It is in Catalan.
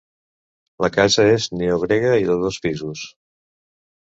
La casa és neogrega i de dos pisos.